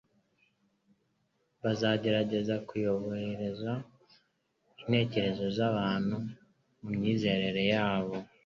Bazagerageza kuyobereza intekerezo z'abantu mu myizerere yabo,